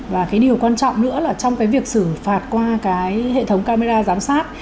và điều quan trọng nữa là trong việc xử phạt qua hệ thống camera giám sát